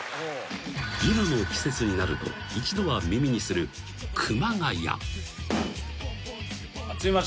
［今の季節になると一度は耳にする熊谷］